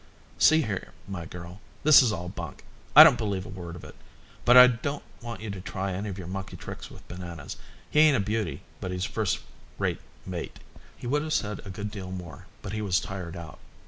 "See here, my girl, this is all bunk. I don't believe a word of it. But I don't want you to try any of your monkey tricks with Bananas. He ain't a beauty, but he's a first rate mate." He would have said a good deal more, but he was tired out.